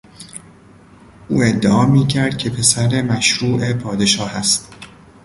او ادعا میکرد که پسر مشروع پادشاه است.